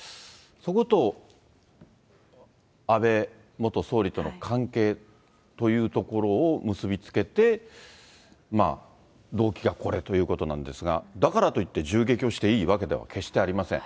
そこと安倍元総理との関係というところを結び付けて、動機がこれということなんですが、だからといって、銃撃をしていいわけでは決してありません。